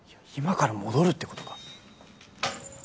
今から戻るってことか？